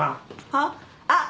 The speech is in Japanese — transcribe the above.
はっ？あっ。